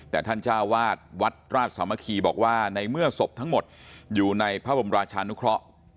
แต่ท่านเจ้าวาดวัดราชสามัคคีบอกว่าในเมื่อศพทั้งหมดอยู่ในพระบรมราชานุเคราะห์